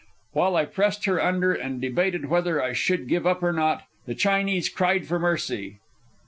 While I pressed her under and debated whether I should give up or not, the Chinese cried for mercy.